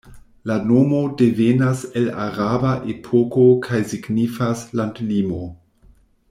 La nomo devenas el araba epoko kaj signifas "landlimo".